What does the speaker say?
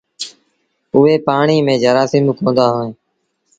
اُئي پآڻيٚ ميݩ جرآسيٚم ڪوندآ هوئيݩ۔